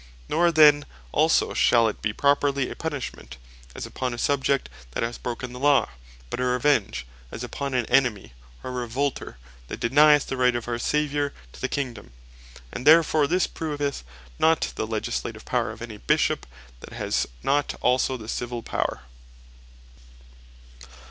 Nor then also shall it bee properly a Punishment, as upon a Subject that hath broken the Law; but a Revenge, as upon an Enemy, or Revolter, that denyeth the Right of our Saviour to the Kingdome: And therefore this proveth not the Legislative Power of any Bishop, that has not also the Civill Power.